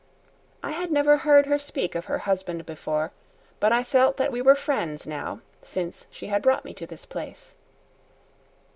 I had never heard her speak of her husband before, but I felt that we were friends now since she had brought me to this place.